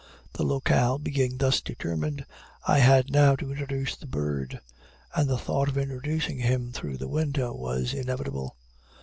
The locale being thus determined, I had now to introduce the bird and the thought of introducing him through the window, was inevitable.